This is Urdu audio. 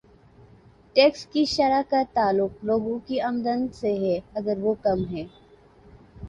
ٹیکس کی شرح کا تعلق لوگوں کی آمدن سے ہے اگر وہ کم ہے۔